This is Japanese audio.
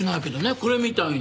これみたいに。